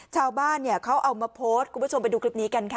ชาวบ้านเนี่ยเขาเอามาโพสต์คุณผู้ชมไปดูคลิปนี้กันค่ะ